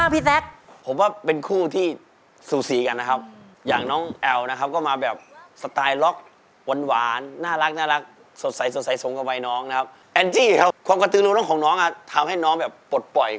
ผู้หญิงเก็บเจ็บหน่อยลูกเก็บหน่อย